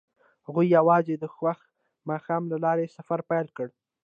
هغوی یوځای د خوښ ماښام له لارې سفر پیل کړ.